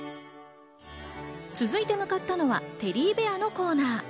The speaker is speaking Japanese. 続いて向かったのはテディベアのコーナー。